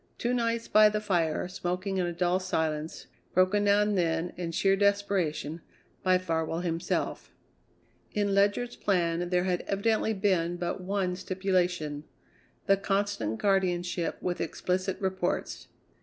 Two nights by the fire, smoking in a dull silence, broken now and then, in sheer desperation, by Farwell himself. In Ledyard's plan there had evidently been but one stipulation: the constant guardianship with explicit reports.